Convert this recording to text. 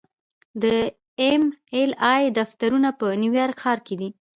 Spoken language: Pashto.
د ایم ایل اې دفترونه په نیویارک ښار کې دي.